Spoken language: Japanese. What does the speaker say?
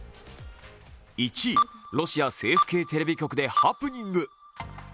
１位、ロシア政府系テレビ局でハプニング。